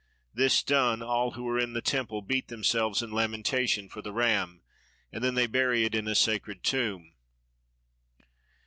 This done, all who are in the temple beat themselves in lamentation for the ram, and then they bury it in a sacred tomb.